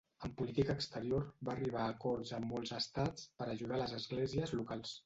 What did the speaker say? En política exterior va arribar a acords amb molts Estats per ajudar les Esglésies locals.